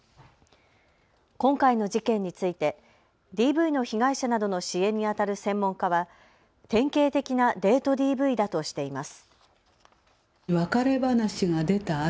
今回の事件についてＤＶの被害者などの支援にあたる専門家は典型的なデートＤＶだとしています。